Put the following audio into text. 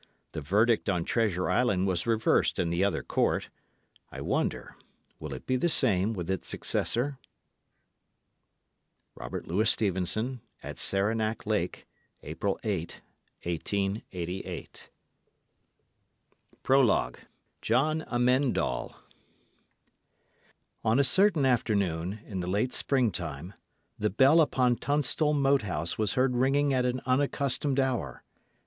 The verdict on Treasure Island was reversed in the other court; I wonder, will it be the same with its successor? R. L. S. SARANAC LAKE, April 8, 1888. PROLOGUE JOHN AMEND ALL On a certain afternoon, in the late springtime, the bell upon Tunstall Moat House was heard ringing at an unaccustomed hour.